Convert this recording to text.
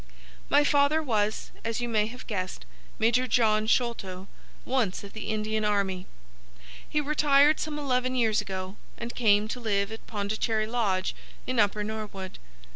"My father was, as you may have guessed, Major John Sholto, once of the Indian army. He retired some eleven years ago, and came to live at Pondicherry Lodge in Upper Norwood.